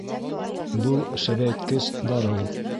Был шәбәйткес дарыу